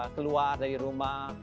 keluar dari rumah